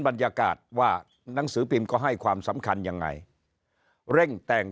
บรรยากาศว่านังสือพิมพ์ก็ให้ความสำคัญยังไงเร่งแต่ง